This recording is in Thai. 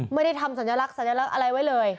ไม่ได้ทำสัญลักษะอะไรไว้เลย